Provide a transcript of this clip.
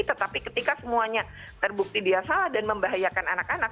tetapi ketika semuanya terbukti dia salah dan membahayakan anak anak